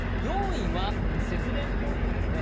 ４位は節電ポイントですね。